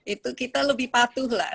itu kita lebih patuh lah